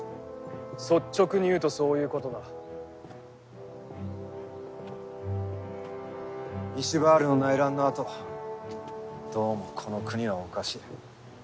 率直に言うとそういうことだイシュヴァールの内乱のあとどうもこの国はおかしい